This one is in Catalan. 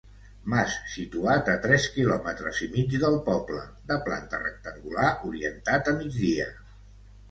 Mas situat a tres quilòmetres i mig del poble, de planta rectangular orientat a migdia.